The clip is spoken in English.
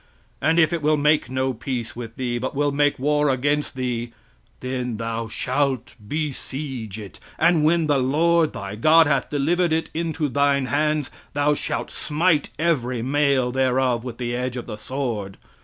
"And if it will make no peace with thee, but will make war against thee, then thou shalt besiege it. "And when the Lord thy God hath delivered it into thine hands, thou shalt smite every male thereof with the edge of the sword.